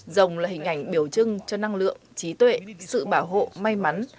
rồng là hình ảnh biểu trưng cho năng lượng trí tuệ sự bảo hộ may mắn